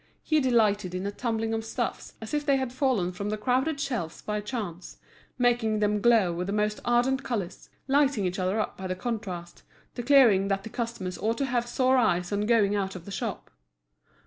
He delighted in a tumbling of stuffs, as if they had fallen from the crowded shelves by chance, making them glow with the most ardent colours, lighting each other up by the contrast, declaring that the customers ought to have sore eyes on going out of the shop.